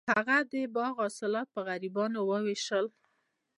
هغه د باغ حاصلات په غریبانو وویشل.